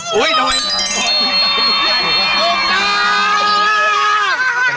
ถูกตรงไหม